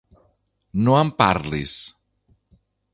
No em parlis.